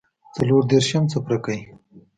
څلور دیرشم څپرکی